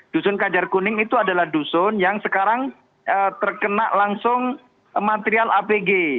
dusun kajar kuning itu adalah dusun yang sekarang terkena langsung material apg